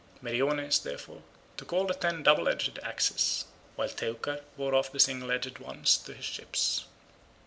Meriones, therefore, took all ten double edged axes, while Teucer bore off the single edged ones to his ships.